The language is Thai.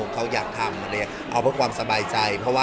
เขาอยากทำเพื่อความสบายใจ